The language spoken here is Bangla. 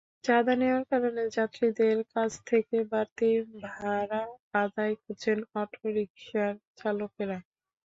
চাঁদা নেওয়ার কারণে যাত্রীদের কাছ থেকে বাড়তি ভাড়া আদায় করছেন অটোরিকশার চালকেরা।